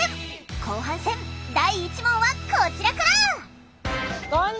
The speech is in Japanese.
後半戦第１問はこちらから。